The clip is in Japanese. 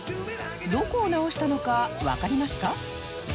どこを直したのかわかりますか？